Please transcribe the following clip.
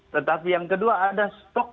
tetapi yang kedua ada stok